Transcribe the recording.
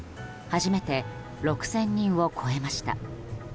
初めて６０００人を超えました。